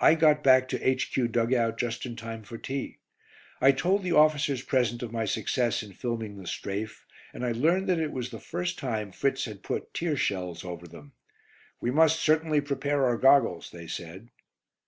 I got back to H.Q. dug out just in time for tea. I told the officers present of my success in filming the "strafe," and I learned that it was the first time Fritz had put tear shells over them. "We must certainly prepare our goggles," they said.